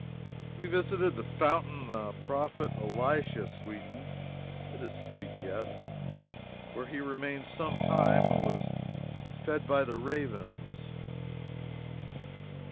We visited the fountain the prophet Elisha sweetened (it is sweet yet,) where he remained some time and was fed by the ravens.